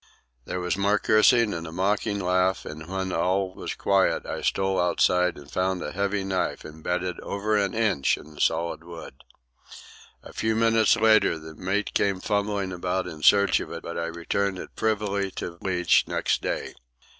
There was more cursing, and a mocking laugh, and when all was quiet I stole outside and found a heavy knife imbedded over an inch in the solid wood. A few minutes later the mate came fumbling about in search of it, but I returned it privily to Leach next day.